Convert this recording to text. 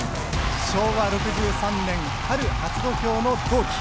昭和６３年春初土俵の同期。